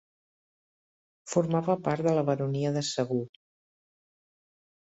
Formava part de la baronia de Segur.